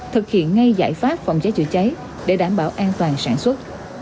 thực hiện ngay giải pháp phòng cháy chữa cháy để đảm bảo an toàn sản xuất